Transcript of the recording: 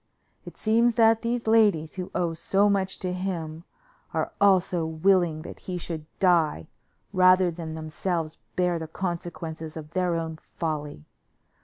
It seems that these ladies, who owe so much to him, are also willing that he should die rather than themselves bear the consequences of their own folly.